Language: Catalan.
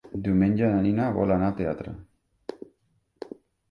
Diumenge na Nina vol anar al teatre.